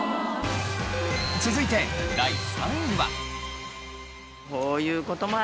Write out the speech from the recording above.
続いて第３位は。